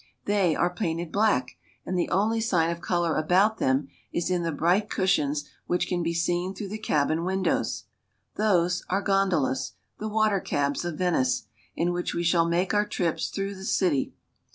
They are painted black, and the only sign of color about them is in the bright cushions which can be seen through the cabin windows. Those are gondolas, the water cabs of Venice, in which we shall make our trips through the city.